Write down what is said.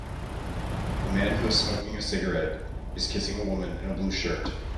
A man who is smoking a cigarette is kissing a woman in a blue shirt.